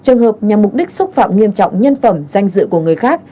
trường hợp nhằm mục đích xúc phạm nghiêm trọng nhân phẩm danh dự của người khác